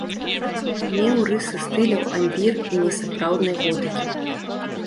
Меў рысы стыляў ампір і несапраўднай готыкі.